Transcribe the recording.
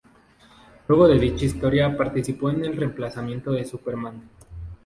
Luego de dicha historia, participó en el relanzamiento de Superman.